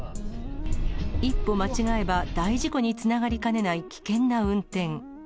一歩間違えば大事故につながりかねない危険な運転。